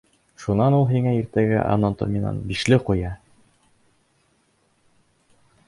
Шунан ул һиңә иртәгә анатомиянан «бишле» ҡуя!